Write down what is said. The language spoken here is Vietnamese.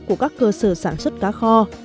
của các cơ sở sản xuất cá kho